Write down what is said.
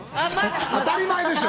当たり前でしょ！